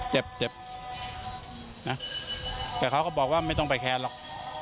เจ็บเจ็บนะแต่เขาก็บอกว่าไม่ต้องไปแค้นหรอก